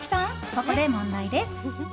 ここで問題です。